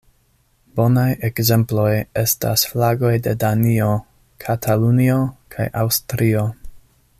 Bonaj ekzemploj estas flagoj de Danio, Katalunio kaj Aŭstrio.